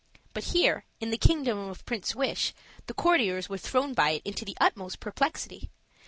But here, in the kingdom of Prince Wish, the courtiers were thrown by it into the utmost perplexity.